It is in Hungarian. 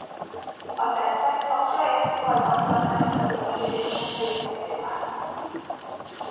A tesztek a projekt karbantartási költségeinek részévé válnak.